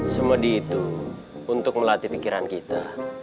semedi itu untuk melatih pikiran kita